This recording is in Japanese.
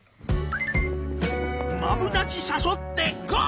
マブダチ誘ってゴー！